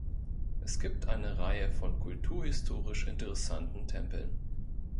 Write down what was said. Es gibt eine Reihe von kulturhistorisch interessanten Tempeln.